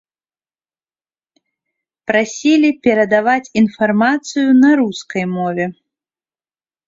Прасілі перадаваць інфармацыю на рускай мове.